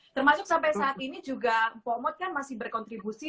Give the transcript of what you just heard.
termasuk sampai saat ini juga pomod kan masih berkontribusi